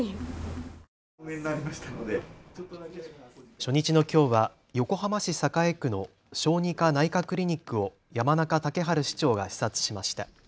初日のきょうは横浜市栄区の小児科・内科クリニックを山中竹春市長が視察しました。